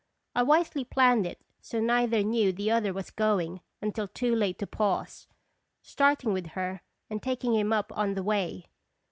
I wisely planned it so neither knew the other was going until too late to pause starting with her and taking him up on the way.